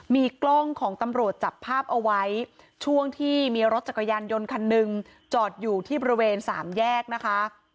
มีกล้องของตำรวจจับภาพเอาไว้ช่วงที่มีรถจักรยานยนต์คันหนึ่งจอดอยู่ที่บริเวณสามแยกนะคะ